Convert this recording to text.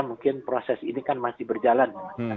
mungkin proses ini kan masih berjalan